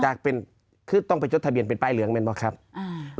อยากเป็นคือต้องไปจดทะเบียนเป็นป้ายเหลืองเป็นบังคับอ่า